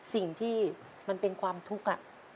สิ่งที่มันเป็นความทุกข์